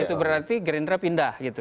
itu berarti gerindra pindah gitu